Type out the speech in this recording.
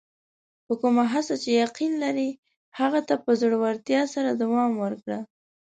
په کومه هڅه چې یقین لرې، هغه ته په زړۀ ورتیا سره دوام ورکړه.